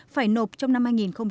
phải nộp trong năm hai nghìn hai mươi